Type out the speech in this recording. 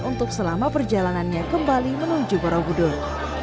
untuk selama perjalanannya kembali menuju borobudur